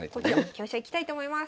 香車いきたいと思います。